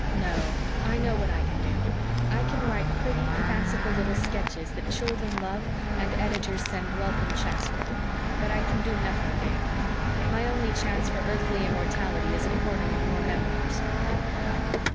"No. I know what I can do. I can write pretty, fanciful little sketches that children love and editors send welcome cheques for. But I can do nothing big. My only chance for earthly immortality is a corner in your Memoirs."